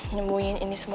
ini semua dari kamu